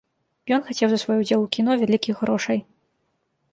Ён хацеў за свой удзел у кіно вялікіх грошай.